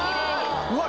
うわ